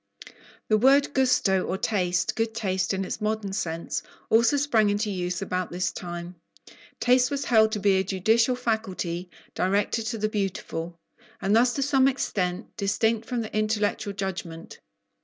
The word "gusto" or taste, "good taste," in its modern sense, also sprang into use about this time. Taste was held to be a judicial faculty, directed to the beautiful, and thus to some extent distinct from the intellectual judgment.